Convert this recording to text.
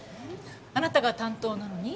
あなたが担当なのに？